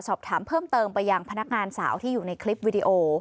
สอบถามเพิ่มเติมไปยังพนักงานสาวที่อยู่ในคลิปวิดีโอ